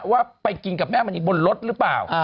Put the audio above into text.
ว่าไปกินกับแม่มณีบนรถหรือเปล่า